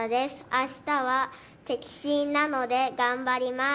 あしたは摘心なので頑張ります。